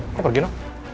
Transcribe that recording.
kita pergi no